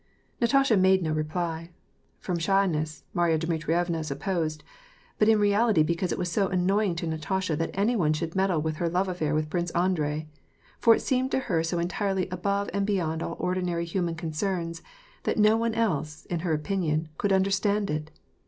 Natasha made no reply, — from shyness, Marya Dmitrievna supposed^ but in reality because it was annoying to Natasha that any one should meddle with her love afPair with Prince Andrei ; for it seemed to her so entirely above and beyond all ordinary human concerns, that no one else, in her opinion, could imderstand it.